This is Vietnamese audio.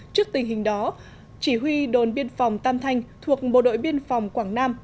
trước tình hình đó chỉ huy đồn biên phòng tam thanh thuộc bộ đội biên phòng quảng nam